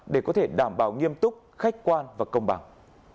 để có thể đảm bảo nghiêm túc khách quan và công bằng